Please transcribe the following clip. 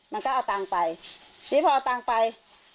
มันก็เอาตังค์ไปนี่พอเอาตังค์ไป